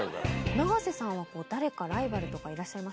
永瀬さんは誰かライバルとかいらっしゃいます？